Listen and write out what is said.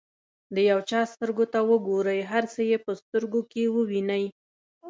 د یو چا سترګو ته وګورئ هر څه یې په سترګو کې ووینئ.